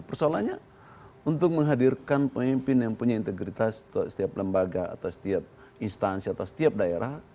persoalannya untuk menghadirkan pemimpin yang punya integritas setiap lembaga atau setiap instansi atau setiap daerah